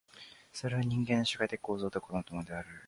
それは人間の社会的構造とは異なったものである。